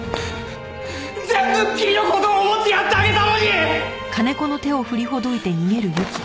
全部君の事を思ってやってあげたのに！！